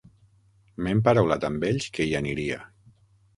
M'he emparaulat amb ells que hi aniria.